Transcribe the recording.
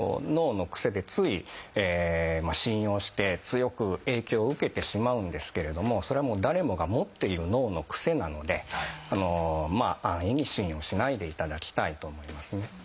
脳のクセでつい信用して強く影響を受けてしまうんですけれどもそれは誰もが持っている脳のクセなのでまあ安易に信用しないでいただきたいと思いますね。